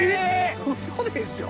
ウソでしょ